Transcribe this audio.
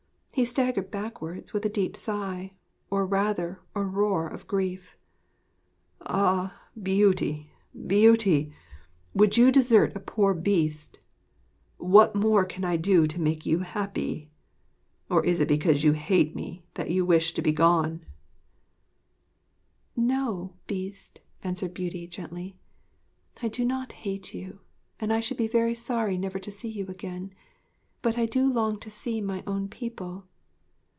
He staggered backwards with a deep sigh, or rather, a roar of grief. 'Ah, Beauty, Beauty! Would you desert a poor Beast? What more can I do to make you happy? Or is it because you hate me, that you wish to be gone?' [Illustration: Ah! what a fright you have given me! she murmured.] 'No, Beast,' answered Beauty gently; 'I do not hate you, and I should be very sorry never to see you again. But I do long to see my own people.